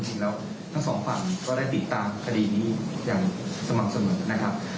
จริงแล้วทั้งสองฝั่งก็ได้ติดตามคดีนี้อย่างสม่ำเสมอนะครับ